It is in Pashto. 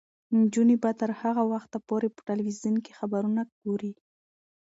نجونې به تر هغه وخته پورې په تلویزیون کې خبرونه ګوري.